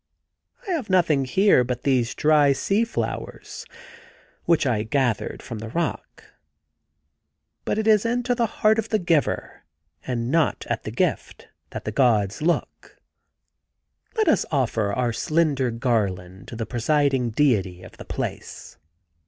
I have nothing here but these dry sea flowers which I gathered from the rock, but it is into the heart of the giver, and not at the gift, that the gods look. ... Let us offer our slender garland to the presiding deity of the place.'